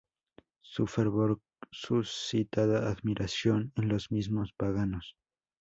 Su fervor suscitaba admiración en los mismos paganos.